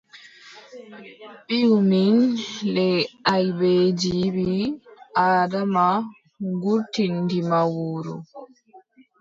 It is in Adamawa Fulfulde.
Wiʼu min le aybeeji ɓii- Aadama gurtinɗi ma wuro.